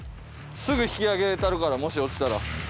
すぐ引き上げたるからもし落ちたら。